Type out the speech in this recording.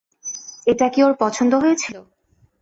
এটা কি ওর পছন্দ হয়েছিল?